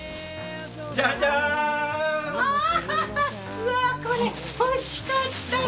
うわあこれ欲しかったの！